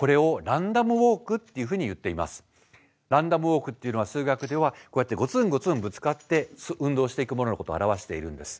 ランダムウォークっていうのは数学ではこうやってゴツンゴツンぶつかって運動していくもののことを表しているんです。